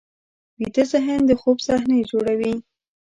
ویده ذهن د خوب صحنې جوړوي